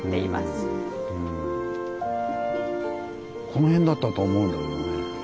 この辺だったと思うけどね